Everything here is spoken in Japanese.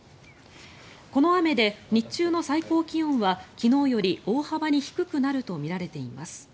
この雨で日中の最高気温は昨日より大幅に低くなるとみられています。